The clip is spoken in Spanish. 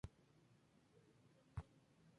Contiene seis especies.